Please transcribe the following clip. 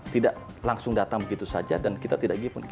tidak langsung datang begitu saja dan kita tidak gipun